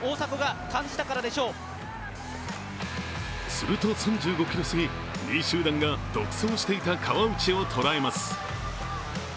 すると３５ｋｍ過ぎ、２位集団が独走していた川内を捉えます。